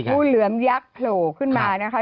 งูเหลือมยักษ์โผล่ขึ้นมานะคะ